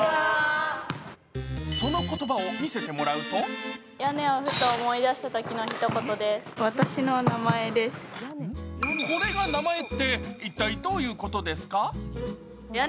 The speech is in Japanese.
その言葉を見せてもらうとこれが名前って、一体どういうことですか？